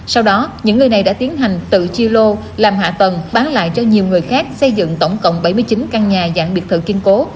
sau đó những người này đã tiến hành tự chia lô làm hạ tầng bán lại cho nhiều người khác xây dựng tổng cộng bảy mươi chín căn nhà dạng biệt thự kiên cố